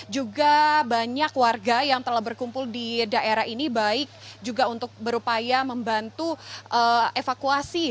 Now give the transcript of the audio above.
juga banyak warga yang telah berkumpul di daerah ini baik juga untuk berupaya membantu evakuasi